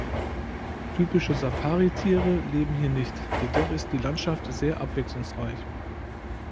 Typische Safari-Tiere leben hier nicht, jedoch ist die Landschaft sehr abwechslungsreich.